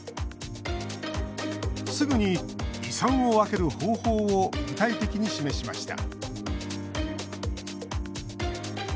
すぐに、遺産を分ける方法を具体的に示しました。